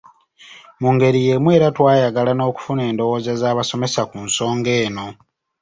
Mu ngeri y'emu era twayagala n'okufuna endowooza z'abasomesa ku nsonga eno.